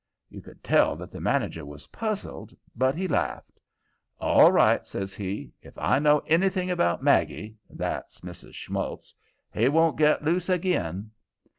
You could tell that the manager was puzzled, but he laughed. "All right," says he. "If I know anything about Maggie that's Mrs. Schmults he won't get loose ag'in."